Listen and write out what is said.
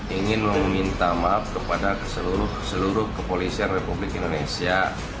ingin meminta maaf kepada seluruh kepolisian republik indonesia